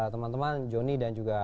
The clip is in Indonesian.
teman teman joni dan juga